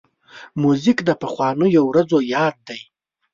موزیک د پخوانیو ورځو یاد دی.